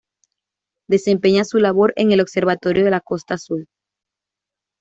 Desempeña su labor en el Observatorio de la Costa Azul.